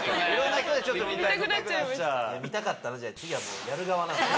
見たかったら。